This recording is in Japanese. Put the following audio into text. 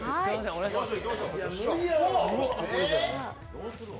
お願いします。